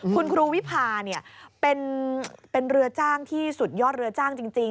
คุณครูวิพาเป็นเรือจ้างที่สุดยอดเรือจ้างจริง